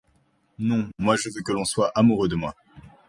Non, moi, je veux que l'on soit amoureux de moi.